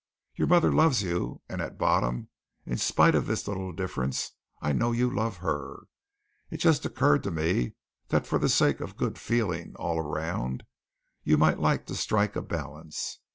Your mother loves you, and at bottom, in spite of this little difference, I know you love her. It just occurred to me that for the sake of good feeling all around, you might like to strike a balance.